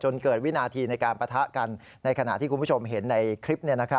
เกิดวินาทีในการปะทะกันในขณะที่คุณผู้ชมเห็นในคลิป